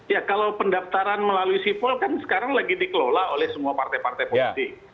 ya kalau pendaftaran melalui sipol kan sekarang lagi dikelola oleh semua partai partai politik